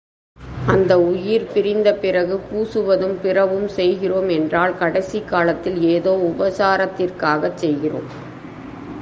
அந்த உயிர் பிரிந்தபிறகு பூசுவதும் பிறவும் செய்கிறோம் என்றால் கடைசிக்காலத்தில் ஏதோ உபசாரத்திற்காகச் செய்கிறோம்.